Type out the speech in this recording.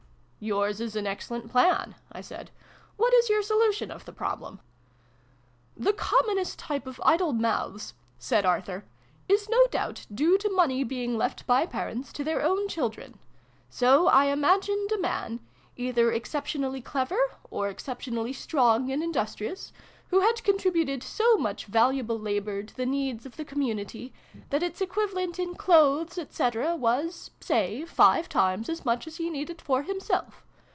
" Yours is an excellent plan," I said. " What is your solution of the problem ?" 38 SYLVIE AND BRUNO CONCLUDED. "The commonest type of 'idle mouths,'' said Arthur, "is no doubt due to money being left by parents to their own children. So I imagined a man either exceptionally clever, or exceptionally strong and industrious who had contributed so much valuable labour to the needs of the community that its equiv alent, in clothes, &c., was (say) five times as much as he needed for himself.